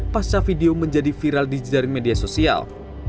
pasca video menjadi viral di jaring media sosial